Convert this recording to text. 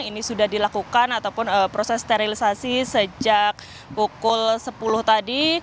ini sudah dilakukan ataupun proses sterilisasi sejak pukul sepuluh tadi